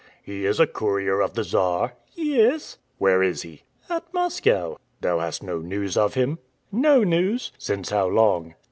"He is a courier of the Czar?" "Yes." "Where is he?" "At Moscow." "Thou hast no news of him?" "No news." "Since how long?"